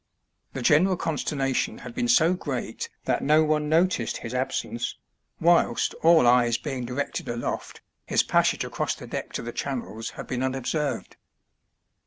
The general consternation had been so great that no one noticed his absence, whilst, all eyes being directed aloft, his passage across the deck to the channels had been unobserved.